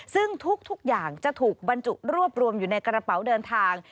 ซึ่งทุกอย่างจะถูกบรรจุรวบรวมอยู่ในกระเป๋าเดินทาง